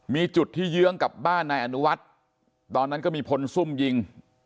มีจุดที่เยื้องกับบ้านนายอนุวัฒน์ตอนนั้นก็มีพลซุ่มยิง